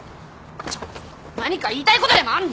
ちょっと何か言いたいことでもあんの！？